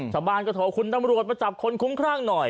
ชาวบ้านเขาโทษการูดมาจับคนคุ้มขรั่งหน่อย